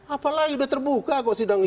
apalagi udah terbuka kok sidang itu